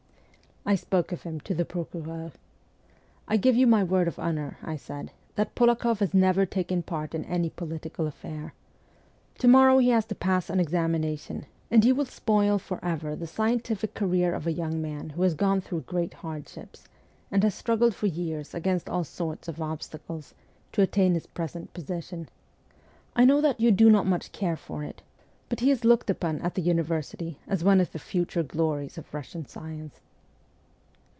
I spoke of him to the procureur. ' I give you my word of honour,' I said, ' that Polakoff has never taken part in any political affair. To morrow he has to pass an examination, and you will spoil forever the scientific career of a young man who has gone through great hardships, and has struggled for years against all sorts of obstacles, to attain his present position. I know that you do not much care for it, but he is looked upon at the university as one of the future glories of Bussian science.'